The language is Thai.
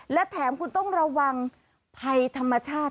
และแถมคุณต้องระวังภัยธรรมชาติ